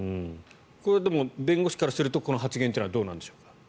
これは、でも弁護士からするとこの発言というのはどうなんでしょうか？